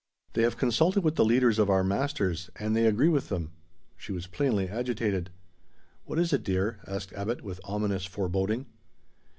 They have consulted with the leaders of our masters, and they agree with them." She was plainly agitated. "What is it, dear?" asked Abbot, with ominous foreboding.